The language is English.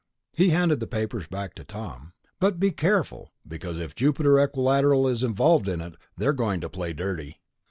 He handed the papers back to Tom. "But be careful, because if Jupiter Equilateral is involved in it, they're going to play dirty."